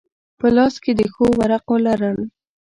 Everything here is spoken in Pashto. په لاس کې د ښو ورقو لرل.